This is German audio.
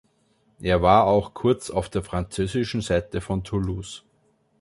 Er war auch kurz auf der französischen Seite von Toulouse.